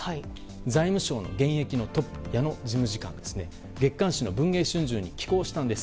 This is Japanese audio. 財務省の現役のトップ矢野事務次官は月刊誌の「文藝春秋」に寄稿したんです。